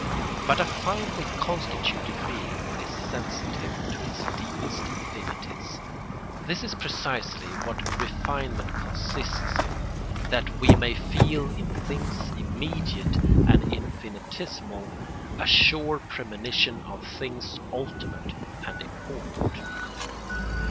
But a finely constituted being is sensitive to its deepest affinities. This is precisely what refinement consists in, that we may feel in things immediate and infinitesimal a sure premonition of things ultimate and important.